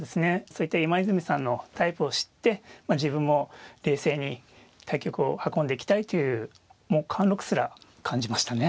そういった今泉さんのタイプを知って自分も冷静に対局を運んでいきたいというもう貫禄すら感じましたね。